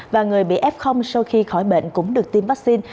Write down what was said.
và người bị f sau khi khỏi bệnh cũng được tiêm vaccine